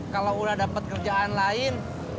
kalau udah dapat kerjaan lain